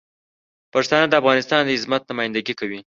پښتانه د افغانستان د عظمت نمایندګي کوي.